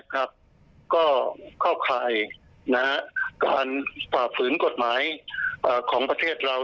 ก็เข้าข่ายการฝ่าฝืนกฎหมายของประเทศเรา